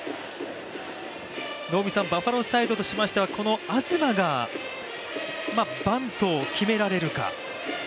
バファローズサイドとしましては、この東がバントを決められるか。